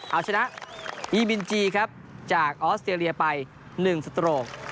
เอาชนะอีมินจีครับจากออสเตรเลียไป๑สโตรก